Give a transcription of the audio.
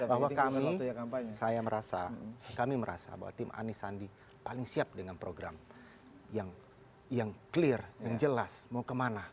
bahwa kami saya merasa kami merasa bahwa tim anies sandi paling siap dengan program yang clear yang jelas mau kemana